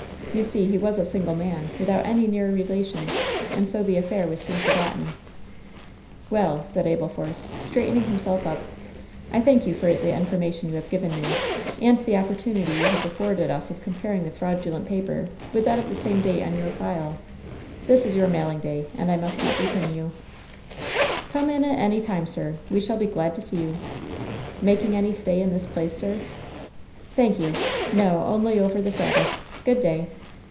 You see he was a single man, without any near relations, and so the affair was soon forgotten/' "Well,'^ said Abel Force, straightening himself up, "I thank you for the information you have given me, and the opportunity you have afforded us of comparing the fraudulent paper with that of the same date on your file. This is your mailing day, and I must not detain you." "Come in at any time, sir; we shall be glad to see you. Making any stay in this place, sir ?" "Thank you. No, only over the Sabbath. Good day.